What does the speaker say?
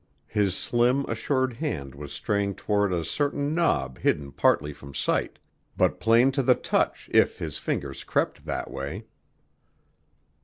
His slim, assured hand was straying toward a certain knob hidden partly from sight, but plain to the touch if his fingers crept that way.